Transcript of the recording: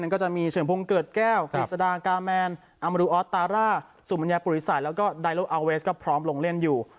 ก็จะมีเฉียงพวงเกิดแก้วอัมรุอร์ตาราสูบบรรยายปุริศัยแล้วก็ไดโลวีสก็พร้อมลงเล่นอยู่